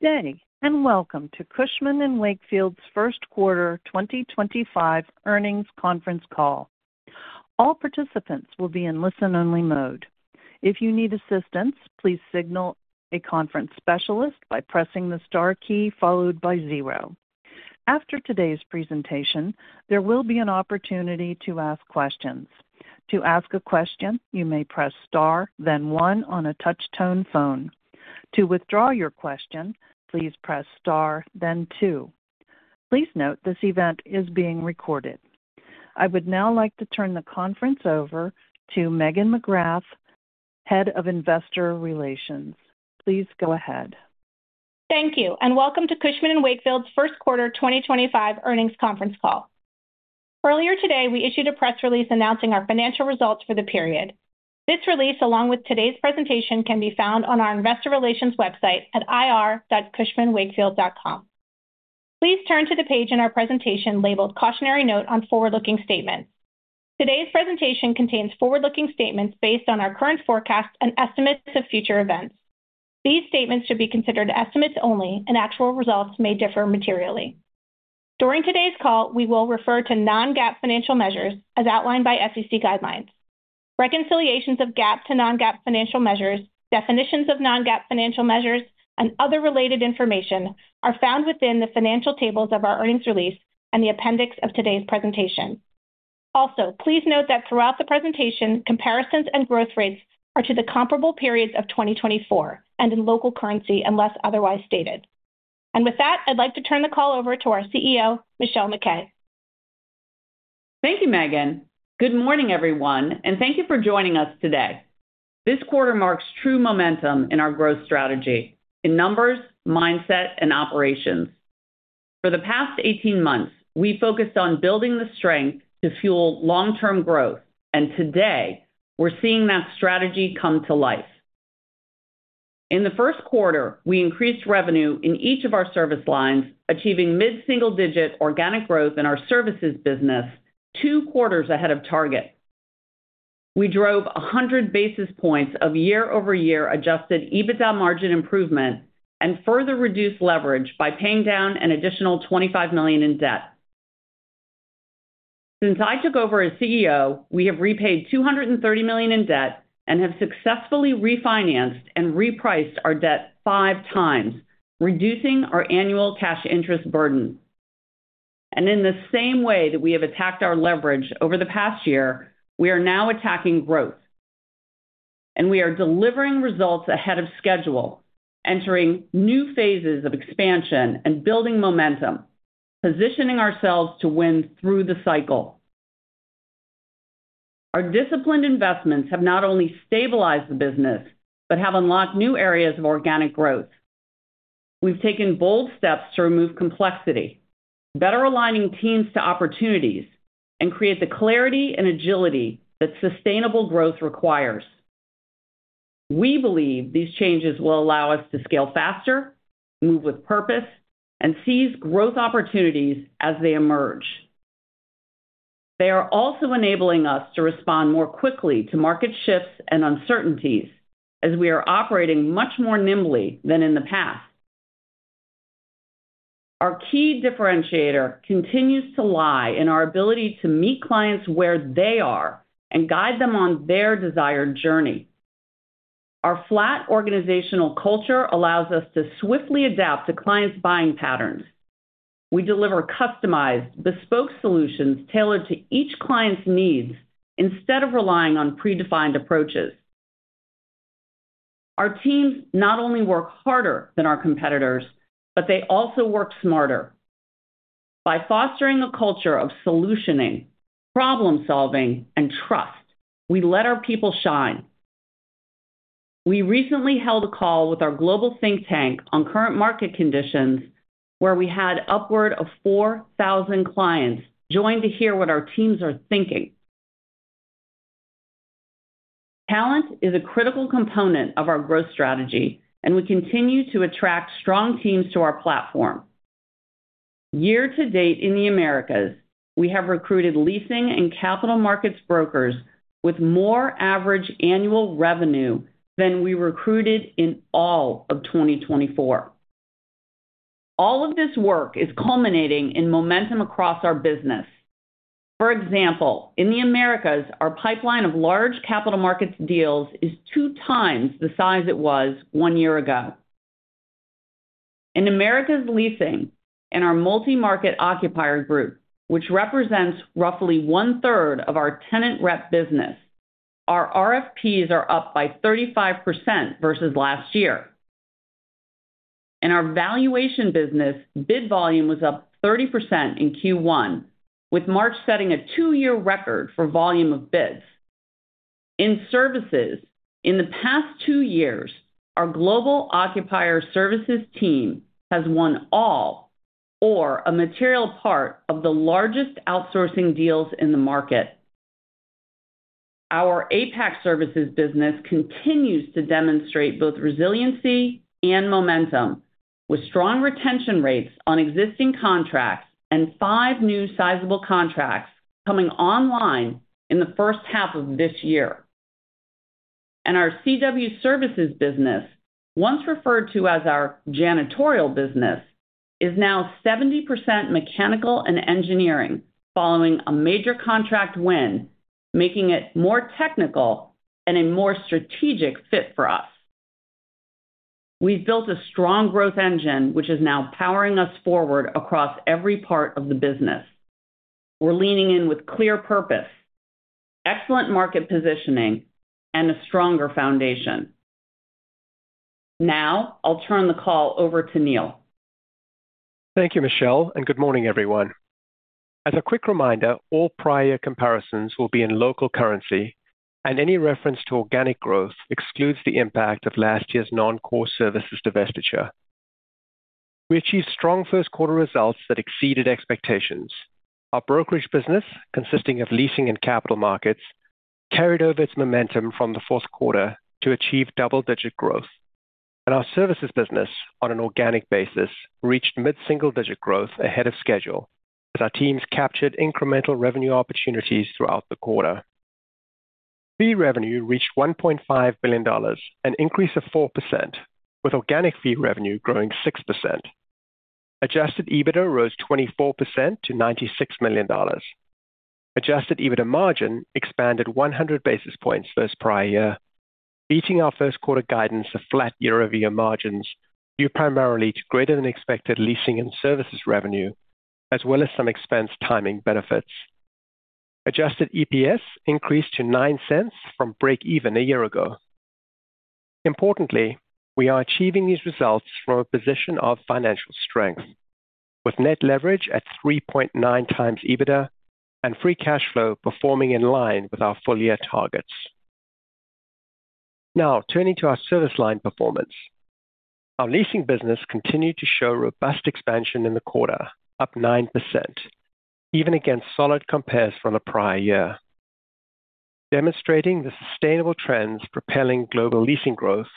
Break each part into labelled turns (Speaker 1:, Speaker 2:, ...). Speaker 1: Good day and welcome to Cushman & Wakefield's First Quarter 2025 Earnings Conference Call. All participants will be in listen-only mode. If you need assistance, please signal a conference specialist by pressing the star key followed by zero. After today's presentation, there will be an opportunity to ask questions. To ask a question, you may press star, then one on a touch-tone phone. To withdraw your question, please press star, then two. Please note this event is being recorded. I would now like to turn the conference over to Megan McGrath, Head of Investor Relations. Please go ahead.
Speaker 2: Thank you, and welcome to Cushman & Wakefield's First Quarter 2025 Earnings Conference Call. Earlier today, we issued a press release announcing our financial results for the period. This release, along with today's presentation, can be found on our investor relations website at ir.cushmanwakefield.com. Please turn to the page in our presentation labeled Cautionary Note on Forward-Looking Statements. Today's presentation contains forward-looking statements based on our current forecasts and estimates of future events. These statements should be considered estimates only, and actual results may differ materially. During today's call, we will refer to non-GAAP financial measures as outlined by SEC guidelines. Reconciliations of GAAP to non-GAAP financial measures, definitions of non-GAAP financial measures, and other related information are found within the financial tables of our earnings release and the appendix of today's presentation. Also, please note that throughout the presentation, comparisons and growth rates are to the comparable periods of 2024 and in local currency unless otherwise stated. With that, I'd like to turn the call over to our CEO, Michelle MacKay.
Speaker 3: Thank you, Megan. Good morning, everyone, and thank you for joining us today. This quarter marks true momentum in our growth strategy in numbers, mindset, and operations. For the past 18 months, we focused on building the strength to fuel long-term growth, and today we're seeing that strategy come to life. In the first quarter, we increased revenue in each of our service lines, achieving mid-single-digit organic growth in our services business, two quarters ahead of target. We drove 100 basis points of year-over-year adjusted EBITDA margin improvement and further reduced leverage by paying down an additional $25 million in debt. Since I took over as CEO, we have repaid $230 million in debt and have successfully refinanced and repriced our debt five times, reducing our annual cash interest burden. In the same way that we have attacked our leverage over the past year, we are now attacking growth, and we are delivering results ahead of schedule, entering new phases of expansion and building momentum, positioning ourselves to win through the cycle. Our disciplined investments have not only stabilized the business but have unlocked new areas of organic growth. We've taken bold steps to remove complexity, better aligning teams to opportunities, and create the clarity and agility that sustainable growth requires. We believe these changes will allow us to scale faster, move with purpose, and seize growth opportunities as they emerge. They are also enabling us to respond more quickly to market shifts and uncertainties as we are operating much more nimbly than in the past. Our key differentiator continues to lie in our ability to meet clients where they are and guide them on their desired journey. Our flat organizational culture allows us to swiftly adapt to clients' buying patterns. We deliver customized, bespoke solutions tailored to each client's needs instead of relying on predefined approaches. Our teams not only work harder than our competitors, but they also work smarter. By fostering a culture of solutioning, problem-solving, and trust, we let our people shine. We recently held a call with our global think tank on current market conditions, where we had upward of 4,000 clients join to hear what our teams are thinking. Talent is a critical component of our growth strategy, and we continue to attract strong teams to our platform. Year to date in the Americas, we have recruited leasing and capital markets brokers with more average annual revenue than we recruited in all of 2024. All of this work is culminating in momentum across our business. For example, in the Americas, our pipeline of large capital markets deals is two times the size it was one year ago. In Americas leasing and our multi-market occupier group, which represents roughly one-third of our tenant rep business, our RFPs are up by 35% versus last year. In our valuation business, bid volume was up 30% in Q1, with March setting a two-year record for volume of bids. In services, in the past two years, our Global Occupier Services team has won all or a material part of the largest outsourcing deals in the market. Our APAC services business continues to demonstrate both resiliency and momentum, with strong retention rates on existing contracts and five new sizable contracts coming online in the first half of this year. Our C&W Services business, once referred to as our janitorial business, is now 70% mechanical and engineering, following a major contract win, making it more technical and a more strategic fit for us. We have built a strong growth engine, which is now powering us forward across every part of the business. We are leaning in with clear purpose, excellent market positioning, and a stronger foundation. Now, I will turn the call over to Neil.
Speaker 4: Thank you, Michelle, and good morning, everyone. As a quick reminder, all prior comparisons will be in local currency, and any reference to organic growth excludes the impact of last year's non-core services divestiture. We achieved strong first quarter results that exceeded expectations. Our brokerage business, consisting of leasing and capital markets, carried over its momentum from the fourth quarter to achieve double-digit growth. Our services business, on an organic basis, reached mid-single-digit growth ahead of schedule as our teams captured incremental revenue opportunities throughout the quarter. Fee revenue reached $1.5 billion, an increase of 4%, with organic fee revenue growing 6%. Adjusted EBITDA rose 24% to $96 million. Adjusted EBITDA margin expanded 100 basis points versus prior year, beating our Q1 guidance of flat year-over-year margins due primarily to greater-than-expected leasing and services revenue, as well as some expense timing benefits. Adjusted EPS increased to $0.09 from break-even a year ago. Importantly, we are achieving these results from a position of financial strength, with net leverage at 3.9 times EBITDA and free cash flow performing in line with our full-year targets. Now, turning to our service line performance, our leasing business continued to show robust expansion in the quarter, up 9%, even against solid compares from the prior year, demonstrating the sustainable trends propelling global leasing growth,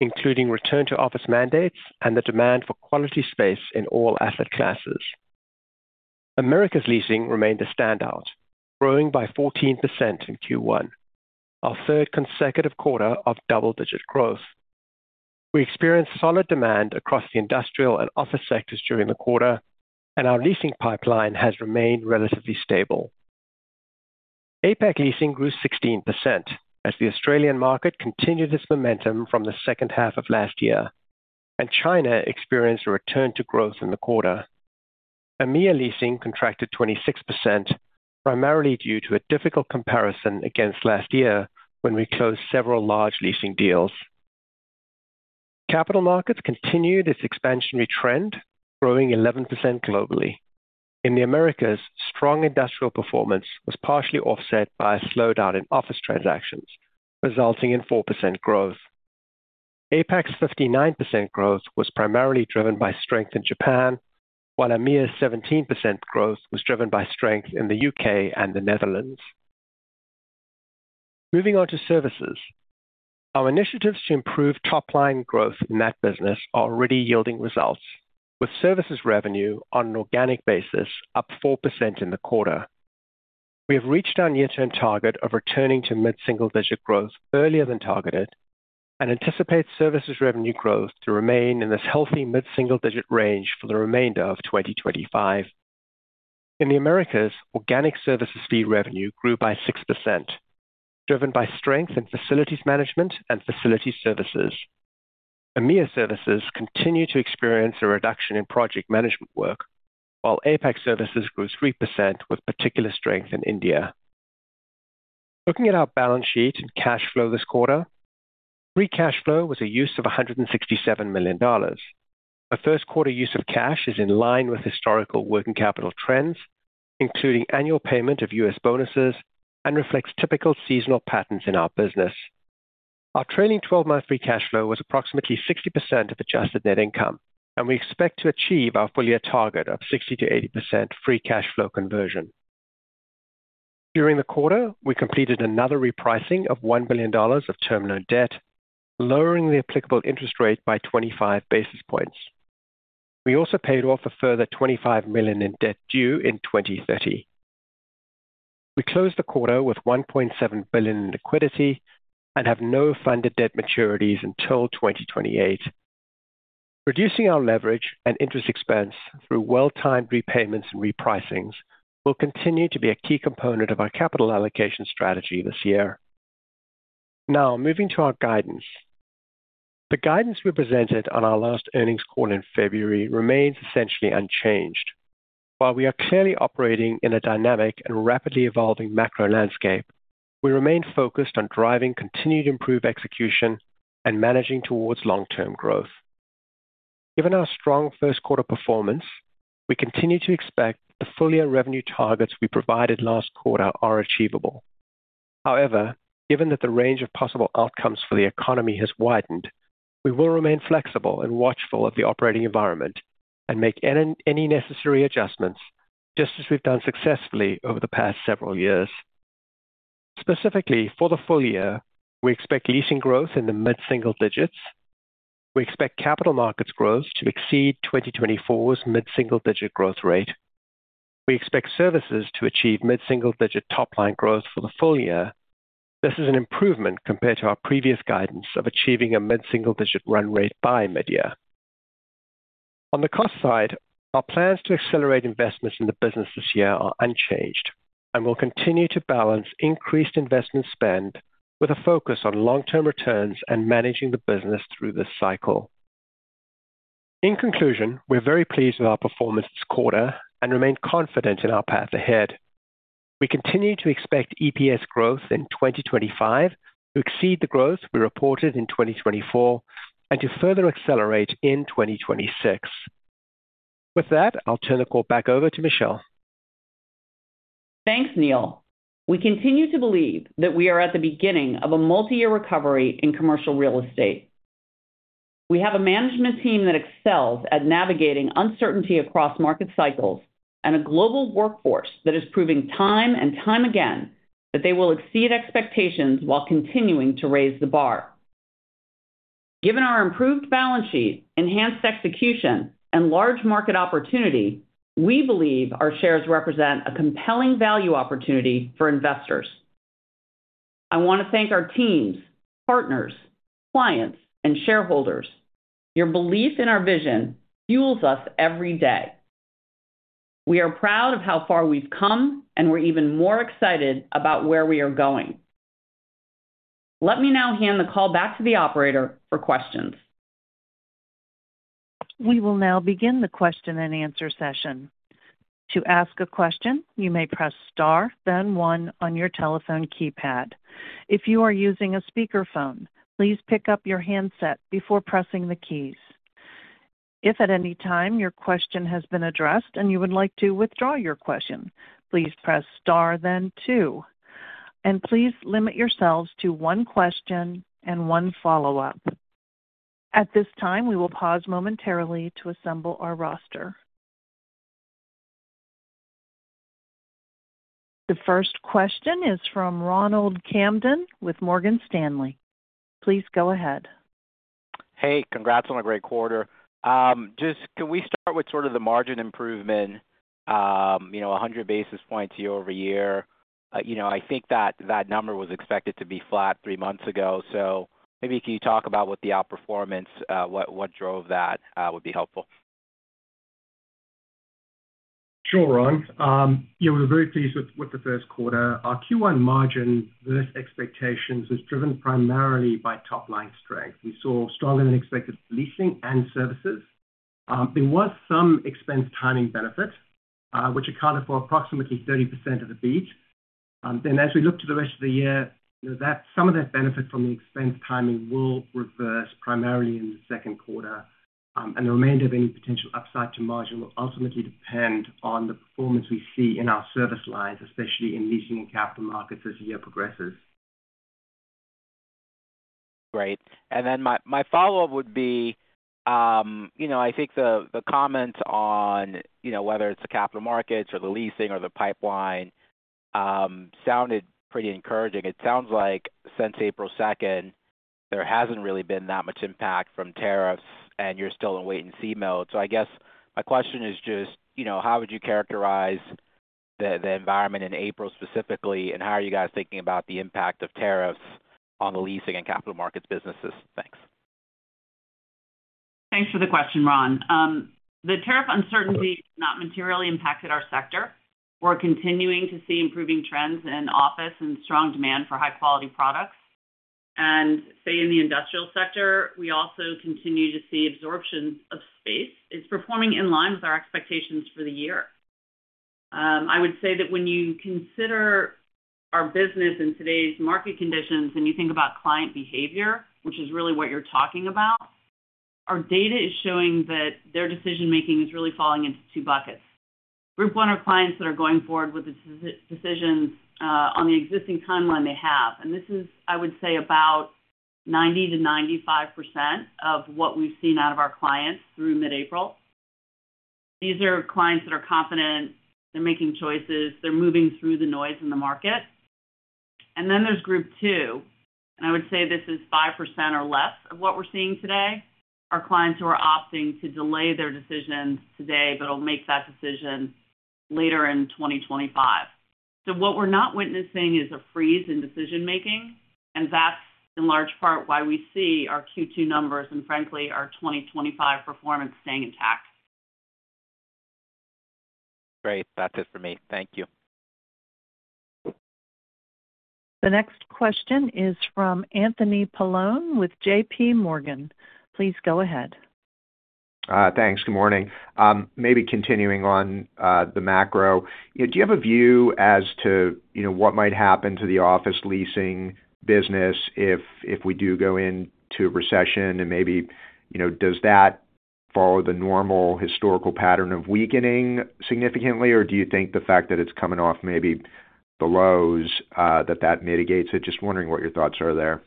Speaker 4: including return-to-office mandates and the demand for quality space in all asset classes. Americas leasing remained a standout, growing by 14% in Q1, our third consecutive quarter of double-digit growth. We experienced solid demand across the industrial and office sectors during the quarter, and our leasing pipeline has remained relatively stable. APAC leasing grew 16% as the Australian market continued its momentum from the second half of last year, and China experienced a return to growth in the quarter. EMEA leasing contracted 26%, primarily due to a difficult comparison against last year when we closed several large leasing deals. Capital markets continued its expansionary trend, growing 11% globally. In the Americas, strong industrial performance was partially offset by a slowdown in office transactions, resulting in 4% growth. APAC's 59% growth was primarily driven by strength in Japan, while EMEA's 17% growth was driven by strength in the U.K. and the Netherlands. Moving on to services, our initiatives to improve top-line growth in that business are already yielding results, with services revenue on an organic basis up 4% in the quarter. We have reached our near-term target of returning to mid-single-digit growth earlier than targeted and anticipate services revenue growth to remain in this healthy mid-single-digit range for the remainder of 2025. In the Americas, organic services fee revenue grew by 6%, driven by strength in facilities management and facilities services. EMEA services continue to experience a reduction in project management work, while APAC services grew 3% with particular strength in India. Looking at our balance sheet and cash flow this quarter, free cash flow was a use of $167 million. Our Q1 use of cash is in line with historical working capital trends, including annual payment of US bonuses, and reflects typical seasonal patterns in our business. Our trailing 12-month free cash flow was approximately 60% of adjusted net income, and we expect to achieve our full-year target of 60%-80% free cash flow conversion. During the quarter, we completed another repricing of $1 billion of term loan debt, lowering the applicable interest rate by 25 basis points. We also paid off a further $25 million in debt due in 2030. We closed the quarter with $1.7 billion in liquidity and have no funded debt maturities until 2028. Reducing our leverage and interest expense through well-timed repayments and repricings will continue to be a key component of our capital allocation strategy this year. Now, moving to our guidance. The guidance we presented on our last earnings call in February remains essentially unchanged. While we are clearly operating in a dynamic and rapidly evolving macro landscape, we remain focused on driving continued improved execution and managing towards long-term growth. Given our strong Q1 performance, we continue to expect the full-year revenue targets we provided last quarter are achievable. However, given that the range of possible outcomes for the economy has widened, we will remain flexible and watchful of the operating environment and make any necessary adjustments, just as we've done successfully over the past several years. Specifically, for the full year, we expect leasing growth in the mid-single digits. We expect capital markets growth to exceed 2024's mid-single-digit growth rate. We expect services to achieve mid-single-digit top-line growth for the full year. This is an improvement compared to our previous guidance of achieving a mid-single-digit run rate by mid-year. On the cost side, our plans to accelerate investments in the business this year are unchanged and will continue to balance increased investment spend with a focus on long-term returns and managing the business through this cycle. In conclusion, we're very pleased with our performance this quarter and remain confident in our path ahead. We continue to expect EPS growth in 2025 to exceed the growth we reported in 2024 and to further accelerate in 2026. With that, I'll turn the call back over to Michelle.
Speaker 3: Thanks, Neil. We continue to believe that we are at the beginning of a multi-year recovery in commercial real estate. We have a management team that excels at navigating uncertainty across market cycles and a global workforce that is proving time and time again that they will exceed expectations while continuing to raise the bar. Given our improved balance sheet, enhanced execution, and large market opportunity, we believe our shares represent a compelling value opportunity for investors. I want to thank our teams, partners, clients, and shareholders. Your belief in our vision fuels us every day. We are proud of how far we've come, and we're even more excited about where we are going. Let me now hand the call back to the operator for questions.
Speaker 1: We will now begin the question and answer session. To ask a question, you may press star, then one on your telephone keypad. If you are using a speakerphone, please pick up your handset before pressing the keys. If at any time your question has been addressed and you would like to withdraw your question, please press star, then two. Please limit yourselves to one question and one follow-up. At this time, we will pause momentarily to assemble our roster. The first question is from Ronald Kamdem with Morgan Stanley. Please go ahead.
Speaker 5: Hey, congrats on a great quarter. Just can we start with sort of the margin improvement, 100 basis points year over year? I think that that number was expected to be flat three months ago. Maybe can you talk about what the outperformance, what drove that would be helpful?
Speaker 4: Sure, Ron. We were very pleased with the first quarter. Our Q1 margin versus expectations was driven primarily by top-line strength. We saw stronger-than-expected leasing and services. There was some expense timing benefit, which accounted for approximately 30% of the beat. As we look to the rest of the year, some of that benefit from the expense timing will reverse primarily in the Q2. The remainder of any potential upside to margin will ultimately depend on the performance we see in our service lines, especially in leasing and capital markets as the year progresses.
Speaker 5: Great. My follow-up would be, I think the comments on whether it's the capital markets or the leasing or the pipeline sounded pretty encouraging. It sounds like since April 2nd, there hasn't really been that much impact from tariffs, and you're still in wait-and-see mode. I guess my question is just, how would you characterize the environment in April specifically, and how are you guys thinking about the impact of tariffs on the leasing and capital markets businesses? Thanks.
Speaker 3: Thanks for the question, Ron. The tariff uncertainty has not materially impacted our sector. We're continuing to see improving trends in office and strong demand for high-quality products. In the industrial sector, we also continue to see absorption of space is performing in line with our expectations for the year. I would say that when you consider our business in today's market conditions and you think about client behavior, which is really what you're talking about, our data is showing that their decision-making is really falling into two buckets. Group one are clients that are going forward with decisions on the existing timeline they have. This is, I would say, about 90-95% of what we've seen out of our clients through mid-April. These are clients that are confident. They're making choices. They're moving through the noise in the market. Then there's group two. I would say this is 5% or less of what we're seeing today, our clients who are opting to delay their decisions today, but will make that decision later in 2025. What we're not witnessing is a freeze in decision-making. That is in large part why we see our Q2 numbers and, frankly, our 2025 performance staying intact.
Speaker 5: Great. That's it for me. Thank you.
Speaker 1: The next question is from Anthony Paolone with JPMorgan. Please go ahead.
Speaker 6: Thanks. Good morning. Maybe continuing on the macro, do you have a view as to what might happen to the office leasing business if we do go into a recession? Maybe does that follow the normal historical pattern of weakening significantly, or do you think the fact that it's coming off maybe the lows, that that mitigates it? Just wondering what your thoughts are there.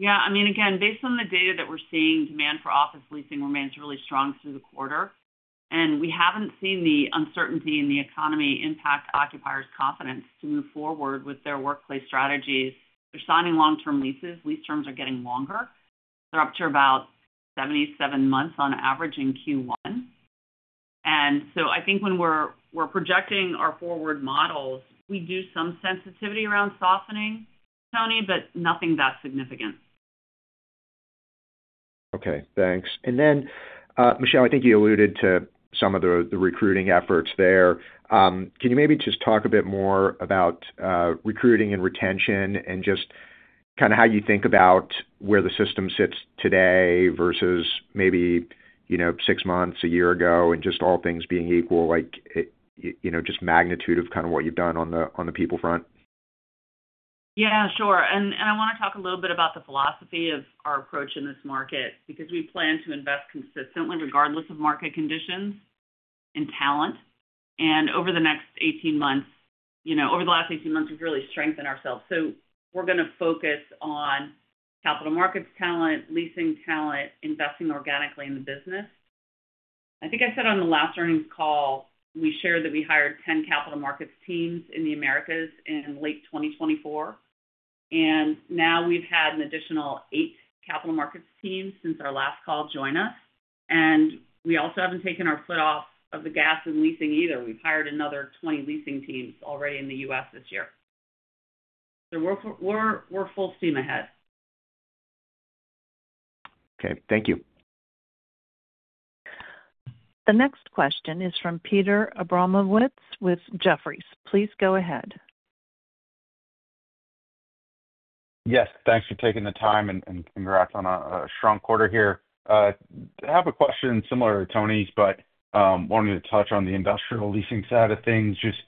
Speaker 3: Yeah. I mean, again, based on the data that we're seeing, demand for office leasing remains really strong through the quarter. We haven't seen the uncertainty in the economy impact occupiers' confidence to move forward with their workplace strategies. They're signing long-term leases. Lease terms are getting longer. They're up to about 77 months on average in Q1. I think when we're projecting our forward models, we do some sensitivity around softening, Tony, but nothing that significant.
Speaker 6: Okay. Thanks. Michelle, I think you alluded to some of the recruiting efforts there. Can you maybe just talk a bit more about recruiting and retention and just kind of how you think about where the system sits today versus maybe six months, a year ago, and just all things being equal, just magnitude of kind of what you've done on the people front?
Speaker 3: Yeah, sure. I want to talk a little bit about the philosophy of our approach in this market because we plan to invest consistently regardless of market conditions and talent. Over the next 18 months, over the last 18 months, we've really strengthened ourselves. We're going to focus on capital markets talent, leasing talent, investing organically in the business. I think I said on the last earnings call, we shared that we hired 10 capital markets teams in the Americas in late 2024. Now we've had an additional eight capital markets teams since our last call join us. We also haven't taken our foot off of the gas in leasing either. We've hired another 20 leasing teams already in the U.S. this year. We're full steam ahead.
Speaker 6: Okay. Thank you.
Speaker 1: The next question is from Peter Abramowitz with Jefferies. Please go ahead.
Speaker 7: Yes. Thanks for taking the time, and congrats on a strong quarter here. I have a question similar to Tony's, but wanted to touch on the industrial leasing side of things. Just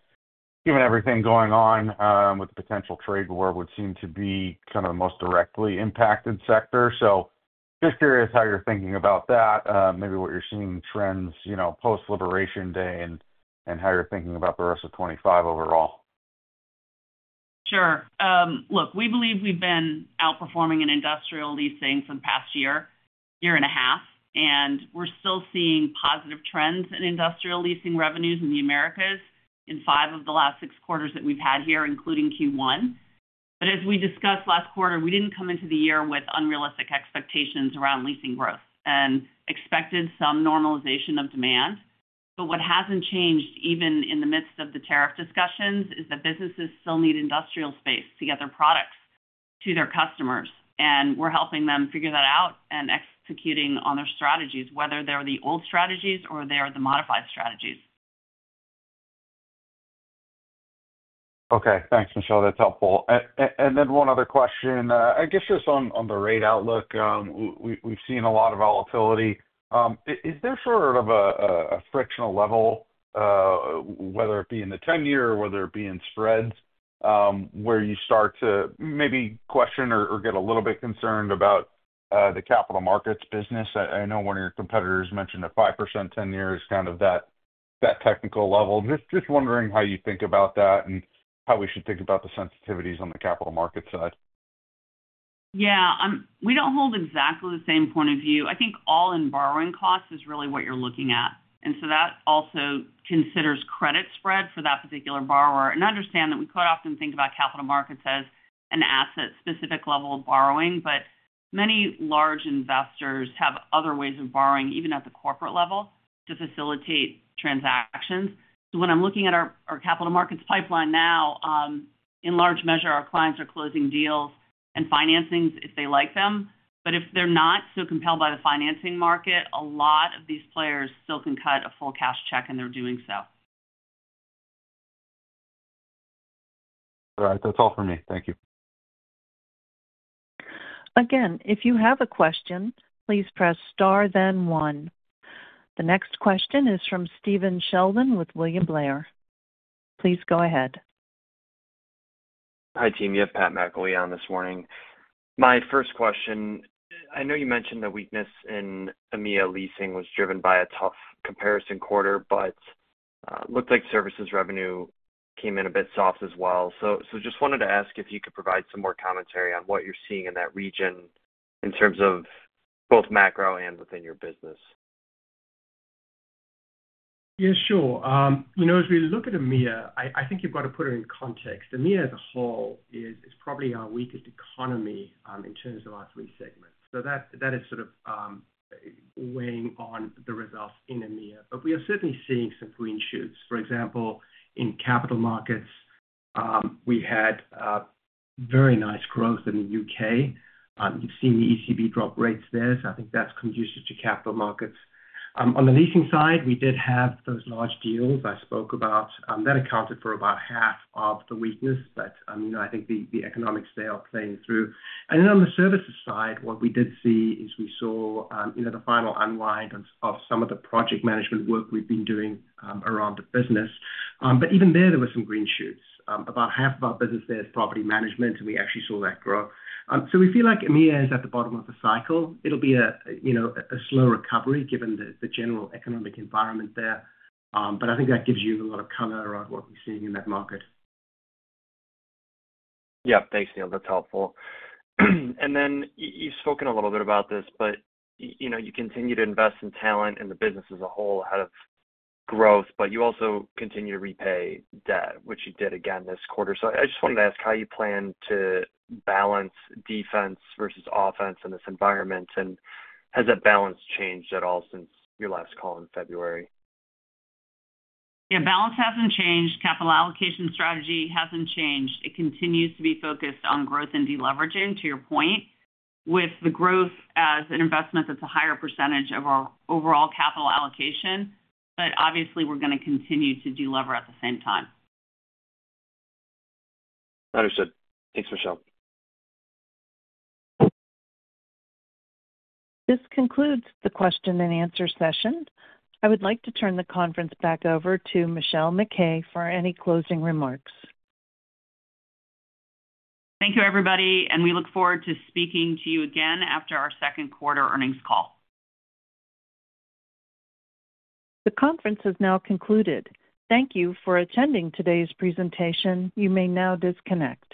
Speaker 7: given everything going on with the potential trade war, it would seem to be kind of the most directly impacted sector. Just curious how you're thinking about that, maybe what you're seeing in trends post-Liberation Day and how you're thinking about the rest of 2025 overall.
Speaker 3: Sure. Look, we believe we've been outperforming in industrial leasing for the past year, year and a half. We're still seeing positive trends in industrial leasing revenues in the Americas in five of the last six quarters that we've had here, including Q1. As we discussed last quarter, we didn't come into the year with unrealistic expectations around leasing growth and expected some normalization of demand. What hasn't changed, even in the midst of the tariff discussions, is that businesses still need industrial space to get their products to their customers. We're helping them figure that out and executing on their strategies, whether they're the old strategies or they're the modified strategies.
Speaker 7: Okay. Thanks, Michelle. That's helpful. One other question, I guess just on the rate outlook, we've seen a lot of volatility. Is there sort of a frictional level, whether it be in the 10-year or whether it be in spreads, where you start to maybe question or get a little bit concerned about the capital markets business? I know one of your competitors mentioned a 5% 10-year is kind of that technical level. Just wondering how you think about that and how we should think about the sensitivities on the capital market side.
Speaker 3: Yeah. We do not hold exactly the same point of view. I think all-in borrowing cost is really what you are looking at. That also considers credit spread for that particular borrower. I understand that we quite often think about capital markets as an asset-specific level of borrowing, but many large investors have other ways of borrowing, even at the corporate level, to facilitate transactions. When I am looking at our capital markets pipeline now, in large measure, our clients are closing deals and financing if they like them. If they are not so compelled by the financing market, a lot of these players still can cut a full cash check, and they are doing so.
Speaker 7: All right. That's all for me. Thank you.
Speaker 1: Again, if you have a question, please press star, then one. The next question is from Steven Sheldon with William Blair. Please go ahead.
Speaker 8: Hi, team. You have Pat McIlwee on this morning. My first question, I know you mentioned the weakness in EMEA leasing was driven by a tough comparison quarter, but it looked like services revenue came in a bit soft as well. Just wanted to ask if you could provide some more commentary on what you're seeing in that region in terms of both macro and within your business.
Speaker 4: Yeah, sure. As we look at EMEA, I think you've got to put it in context. EMEA as a whole is probably our weakest economy in terms of our three segments. That is sort of weighing on the results in EMEA. We are certainly seeing some green shoots. For example, in capital markets, we had very nice growth in the U.K. You've seen the ECB drop rates there. I think that's conducive to capital markets. On the leasing side, we did have those large deals I spoke about. That accounted for about half of the weakness. I think the economics there are playing through. On the services side, what we did see is we saw the final unwind of some of the project management work we've been doing around the business. Even there, there were some green shoots. About half of our business there is property management, and we actually saw that grow. We feel like EMEA is at the bottom of the cycle. It'll be a slow recovery given the general economic environment there. I think that gives you a lot of color around what we're seeing in that market.
Speaker 8: Yeah. Thanks, Neil. That's helpful. You have spoken a little bit about this, but you continue to invest in talent and the business as a whole ahead of growth, but you also continue to repay debt, which you did again this quarter. I just wanted to ask how you plan to balance defense versus offense in this environment, and has that balance changed at all since your last call in February?
Speaker 3: Yeah. Balance hasn't changed. Capital allocation strategy hasn't changed. It continues to be focused on growth and deleveraging, to your point, with the growth as an investment that's a higher percentage of our overall capital allocation. Obviously, we're going to continue to delever at the same time.
Speaker 8: Understood. Thanks, Michelle.
Speaker 1: This concludes the question-and-answer session. I would like to turn the conference back over to Michelle MacKay for any closing remarks.
Speaker 3: Thank you, everybody. We look forward to speaking to you again after our second quarter earnings call.
Speaker 1: The conference has now concluded. Thank you for attending today's presentation. You may now disconnect.